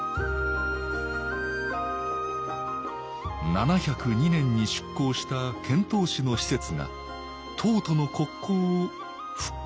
７０２年に出航した遣唐使の使節が唐との国交を復活させたのです